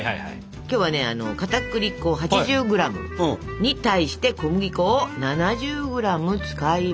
今日はねかたくり粉８０ｇに対して小麦粉を７０ｇ使います。